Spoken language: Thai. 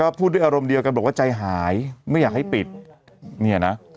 ก็พูดด้วยอารมณ์เดียวกันบอกว่าใจหายไม่อยากให้ปิดเนี่ยนะ